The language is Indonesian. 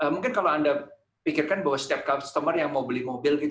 mungkin kalau anda pikirkan bahwa setiap customer yang mau beli mobil gitu